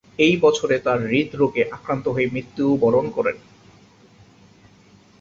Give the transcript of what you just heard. এই বছরে তার হৃদরোগে আক্রান্ত হয়ে মৃত্যুবরণ করেন।